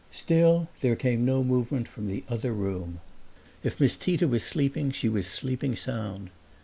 Still there came no movement from the other room. If Miss Tita was sleeping she was sleeping sound.